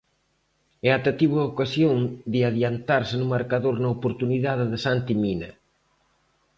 E ata tivo a ocasión de adiantarse no marcador na oportunidade de Santi Mina.